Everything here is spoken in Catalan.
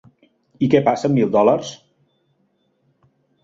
I què passa amb mil dòlars?